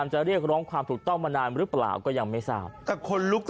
แจ้งรถกลับเครื่องหน่อย